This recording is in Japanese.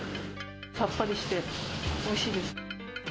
さっぱりしておいしいです。